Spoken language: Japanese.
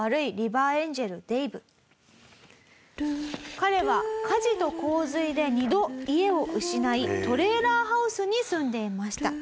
彼は火事と洪水で２度家を失いトレーラーハウスに住んでいました。